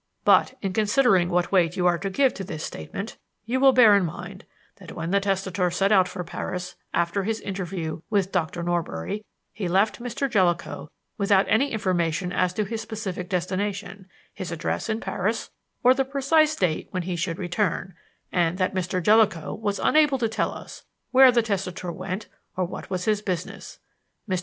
But in considering what weight you are to give to this statement you will bear in mind that when the testator set out for Paris after his interview with Doctor Norbury he left Mr. Jellicoe without any information as to his specific destination, his address in Paris, or the precise date when he should return, and that Mr. Jellicoe was unable to tell us where the testator went or what was his business. Mr.